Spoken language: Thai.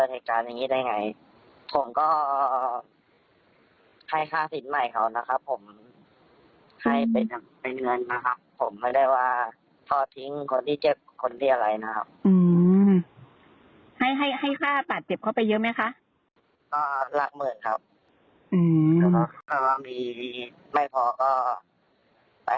ให้ค่าตัดเจ็บเข้าไปเยอะไหมคะ